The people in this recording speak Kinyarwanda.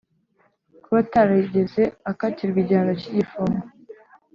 kuba atarigeze akatirwa igihano cy’igifungo